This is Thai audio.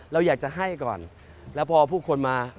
เราอยากจะให้ก่อนแล้วพอผู้คนมา